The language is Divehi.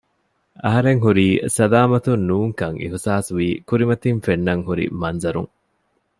އަހަރެން ހުރީ ސަލާމަތުން ނޫންކަން އިހުސާސްވީ ކުރިމަތިން ފެންނަން ހުރި މަންޒަރުން